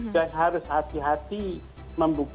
jadi harus hati hati membuka